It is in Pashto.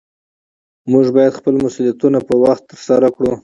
موږ باید خپل مسؤلیتونه په وخت ترسره کړو